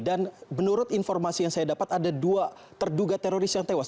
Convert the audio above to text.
dan menurut informasi yang saya dapat ada dua terduga teroris yang tewas